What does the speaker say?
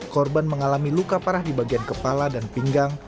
korban mengalami luka parah di bagian kepala dan pinggang